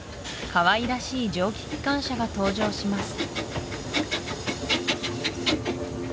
かわいらしい蒸気機関車が登場します